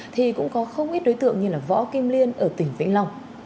thì cũng có không ít đối tượng như võ kim liên ở tỉnh vĩnh long